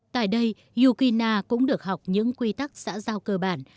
tại đây yukina cũng được học những quy tắc xã giao cơ bản